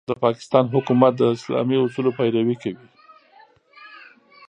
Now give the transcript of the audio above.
د پاکستان حکومت د اسلامي اصولو پيروي کوي.